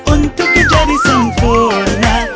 untuk kejadian sempurna